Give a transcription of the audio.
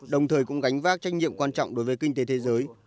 đồng thời cũng gánh vác trách nhiệm quan trọng đối với kinh tế thế giới